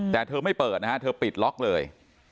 แต่เธอไม่เปิดนะฮะเธอปิดล็อกเลย